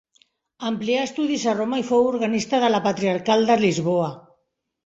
Amplià estudis a Roma i fou organista de la Patriarcal de Lisboa.